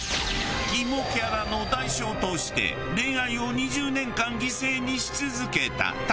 キモキャラの代償として恋愛を２０年間犠牲にし続けた田中先生。